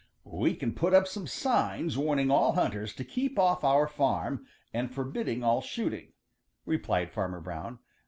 "We can put up some signs warning all hunters to keep off of our farm and forbidding all shooting," replied Farmer Brown.